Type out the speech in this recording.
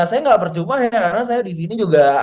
saya gak percuma ya karena saya disini juga